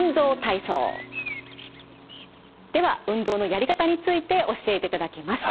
では運動のやり方について教えていただきます。